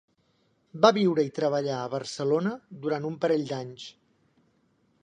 Va viure i treballar a Barcelona durant un parell d"anys.